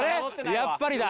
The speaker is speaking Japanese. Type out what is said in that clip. やっぱりだ。